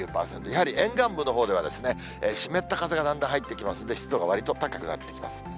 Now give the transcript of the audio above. やはり沿岸部のほうでは、湿った風がだんだん入ってきますんで、湿度がわりと高くなってきます。